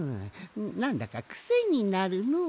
なんだかクセになるのう。